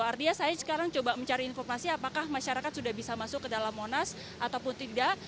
artinya saya sekarang coba mencari informasi apakah masyarakat sudah bisa masuk ke dalam monas ataupun tidak